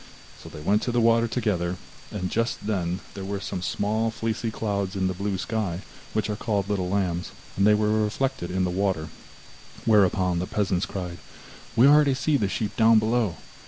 So they went to the water together, and just then there were some of the small fleecy clouds in the blue sky, which are called little lambs, and they were reflected in the water, whereupon the peasants cried: 'We already see the sheep down below!